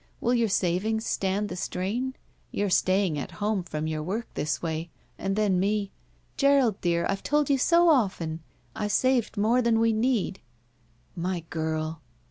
Will your savings stand the strain? Your staying at home from your work this way — and then me —" ''Gerald dear, I've told you so often — I've saved more than we need." My girl!"